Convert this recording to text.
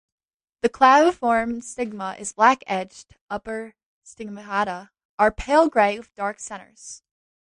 The claviform stigma is black-edged; upper stigmata are pale grey with dark centres.